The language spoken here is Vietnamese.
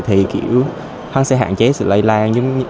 thì mình sẽ hạn chế sự lây lan